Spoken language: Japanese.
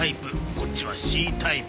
こっちはＣタイプ。